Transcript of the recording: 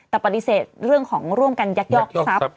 แต่ปฏิเสธเรื่องของร่วมกันยักยอกทรัพย์